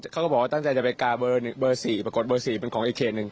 เขาก็บอกว่าตั้งใจจะไปกาเบอร์๔ปรากฏเบอร์๔เป็นของอีกเขตหนึ่ง